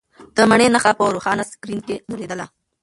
د مڼې نښه په روښانه سکرین کې ځلېدله.